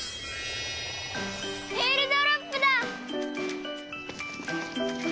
えーるドロップだ！